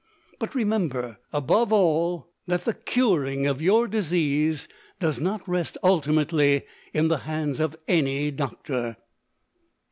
But remember, above all, that the curing of your disease does not rest ultimately in the hands of any doctor."